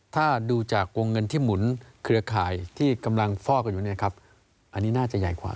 ถ้าดูจากวงเงินที่หมุนเครือข่ายที่กำลังฟอกกันอยู่เนี่ยครับอันนี้น่าจะใหญ่กว่า